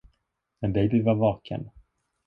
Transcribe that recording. Men Baby var vaken.